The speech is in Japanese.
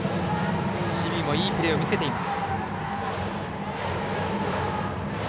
守備もいいプレーを見せています。